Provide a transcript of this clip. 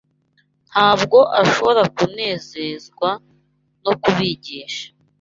Ntabwo ashobora kunezezwa no kubigisha